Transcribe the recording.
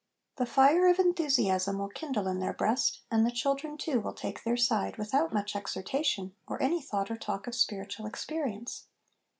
The fire of enthusiasm will kindle in their breast, and the children, too, will take their side, with out much exhortation, or any thought or talk of spiritual experience.